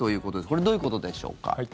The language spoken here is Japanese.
これ、どういうことでしょうか。